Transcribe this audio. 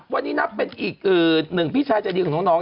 วันนี้นับเป็นอีกหนึ่งพี่ชายใจดีของน้อง